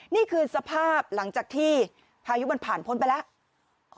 นี่คือสภาพหลังจากที่พายุมันผ่านพ้นไปแล้ว